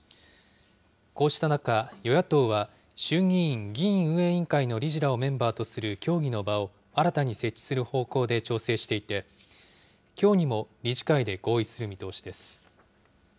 こうした中、与野党は、衆議院議院運営委員会の理事らをメンバーとする協議の場を新たに設置する方向で調整していて、きょうにも理事会で合意する見通しです。